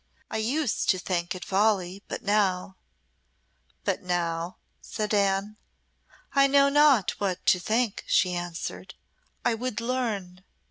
"I used to think it folly, but now " "But now " said Anne. "I know not what to think," she answered. "I would learn."